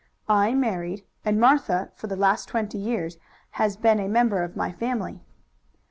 I married, and Martha for the last twenty years has been a member of my family.